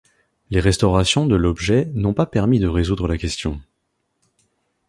Les restaurations de l’objet n’ont pas permis de résoudre la question.